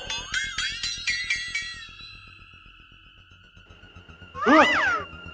เฮอะ